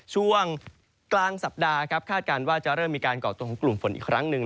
ช่วงกลางสัปดาห์ครับคาดการณ์ว่าจะเริ่มมีการก่อตัวของกลุ่มฝนอีกครั้งหนึ่ง